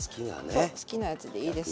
そう好きなやつでいいです。